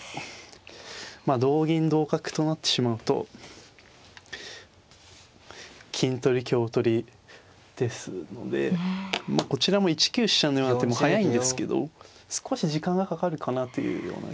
まあ同銀同角となってしまうと金取り香取りですのでこちらも１九飛車のような手も速いんですけど少し時間がかかるかなというような気がしますね。